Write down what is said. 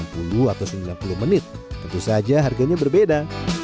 sembilan puluh atau sembilan puluh menit tentu saja harganya berbeda